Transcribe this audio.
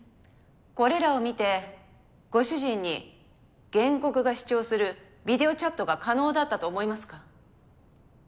これらを見てご主人に原告が主張するビデオチャットが可能だったと思いますか？